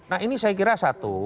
nah ini saya kira satu